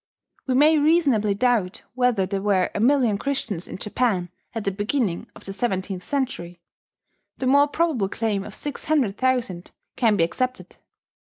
We may reasonably doubt whether there were a million Christians in Japan at the beginning of the seventeenth century: the more probable claim of six hundred thousand can be accepted.